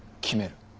決める。